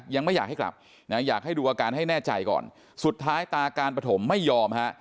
ยังไม่อยากให้กลับนะอยากให้ดูอาการให้แน่ใจก่อนสุดท้ายตาการปฐมไม่ยอมฮะ